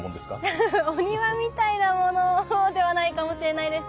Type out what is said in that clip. ふふふお庭みたいなものではないかもしれないですけど